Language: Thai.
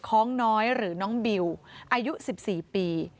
คล้องน้อยหรือน้องบิวอายุ๑๔ปี